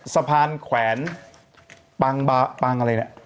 สะพานแขวนปางอะไรเนี่ย